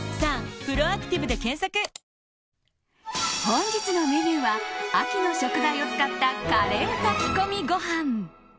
本日のメニューは秋の食材を使ったカレー炊き込みご飯。